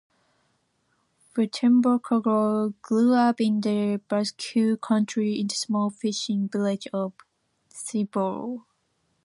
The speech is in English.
Wertenbaker grew up in the Basque Country in the small fishing village of Ciboure.